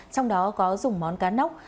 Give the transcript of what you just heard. trong đó có dùng món cá nóc